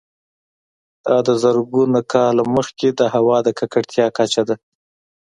دا د زرګونه کاله مخکې د هوا د ککړتیا کچه ده